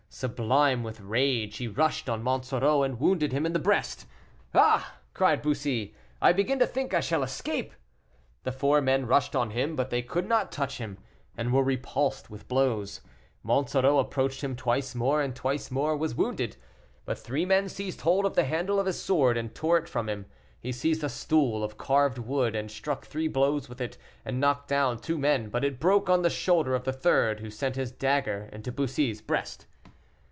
Sublime with rage, he rushed on Monsoreau, and wounded him in the breast. "Ah!" cried Bussy, "I begin to think I shall escape." The four men rushed on him, but they could not touch him, and were repulsed with blows. Monsoreau approached him twice more, and twice more was wounded. But three men seized hold of the handle of his sword, and tore it from him. He seized a stool of carved wood, and struck three blows with it, and knocked down two men; but it broke on the shoulder of the third, who sent his dagger into Bussy's breast.